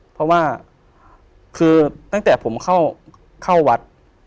เพราะว่าคือตั้งแต่ผมเข้าวัด